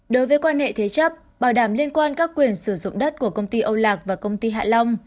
đối với quan hệ thế chấp bảo đảm liên quan các quyền sử dụng đất của công ty âu lạc và công ty hạ long